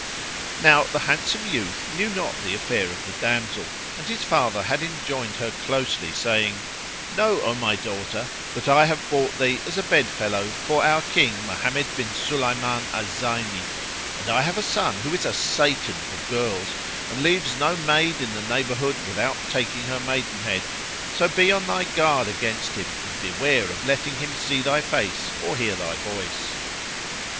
Now the handsome youth knew not the affair of the damsel; and his father had enjoined her closely, saying, "Know, O my daughter, that I have bought thee as a bedfellow for our King, Mohammed bin Sulayman al Zayni; and I have a son who is a Satan for girls and leaves no maid in the neighbourhood without taking her maidenhead; so be on thy guard against him and beware of letting him see thy face or hear thy voice."